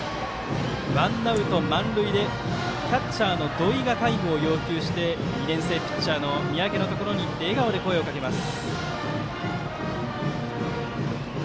ワンアウト、満塁でキャッチャーの土井がタイムを要求して２年生ピッチャーの三宅のところに行って笑顔で声をかけます。